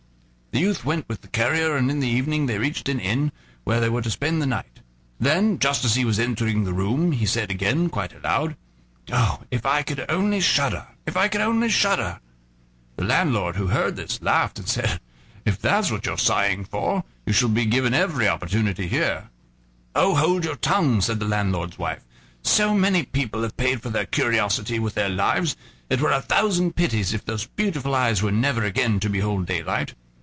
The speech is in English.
The youth went with the carrier, and in the evening they reached an inn, where they were to spend the night. Then, just as he was entering the room, he said again, quite aloud: "Oh! if I could only shudder! if I could only shudder!" The landlord, who heard this, laughed and said: "If that's what you're sighing for, you shall be given every opportunity here." "Oh! hold your tongue!" said the landlord's wife; "so many people have paid for their curiosity with their lives, it were a thousand pities if those beautiful eyes were never again to behold daylight."